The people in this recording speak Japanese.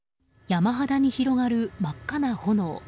山肌に広がる真っ赤な炎。